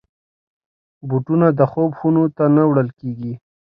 بوټونه د خوب خونو ته نه وړل کېږي.